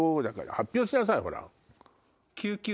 発表しなさいほら！